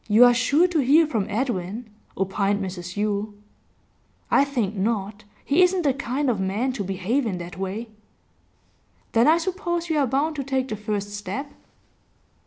'You are sure to hear from Edwin,' opined Mrs Yule. 'I think not. He isn't the kind of man to behave in that way.' 'Then I suppose you are bound to take the first step?